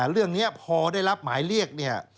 เรื่องนี้พอได้รับหมายเรียกเนี่ย